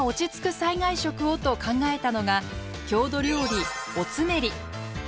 災害食をと考えたのが郷土料理